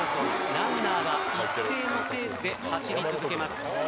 ランナーが一定のペースで走り続けます。